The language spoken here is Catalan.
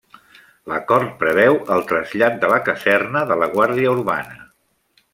L'acord preveu el trasllat de la caserna de la Guàrdia Urbana.